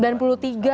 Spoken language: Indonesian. bukan berarti ya